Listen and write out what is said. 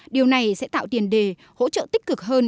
điều này sẽ tạo tiền đề hỗ trợ tích cực hơn